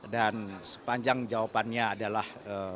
dan sepanjang jawabannya adalah